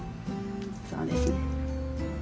そうですね。